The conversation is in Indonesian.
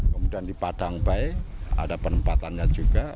kemudian di padangbae ada penempatannya juga